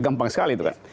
gampang sekali itu kan